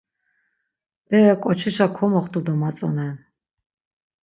Bere ǩoçişa komoxtu domatzonen.